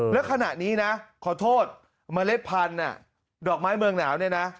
แล้วขณะนี้นะขอโทษเมล็ดพันธุ์ดอกไม้เมืองหนาวเนี่ยนะ